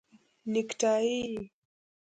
👔 نیکټایې